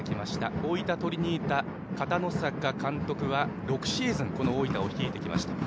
大分トリニータ、片野坂監督は６シーズン大分を率いてきました。